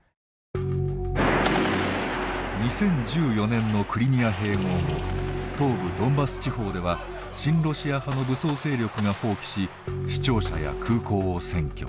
２０１４年のクリミア併合後東部ドンバス地方では親ロシア派の武装勢力が蜂起し市庁舎や空港を占拠。